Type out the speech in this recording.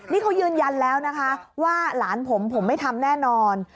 นี่เขายืนยันแล้วนะคะว่าหลานผมผมไม่ทำแน่นอน